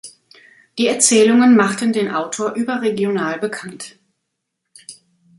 Die Erzählungen machten den Autor überregional bekannt.